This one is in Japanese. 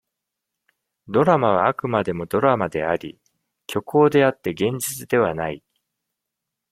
ドラマは、あくまでもドラマであり、虚構であって、現実ではない。